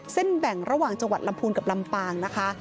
แบ่งระหว่างจังหวัดลำพูนกับลำปางนะคะ